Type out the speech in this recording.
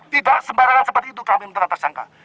tidak sembarangan seperti itu kami menetapkan tersangka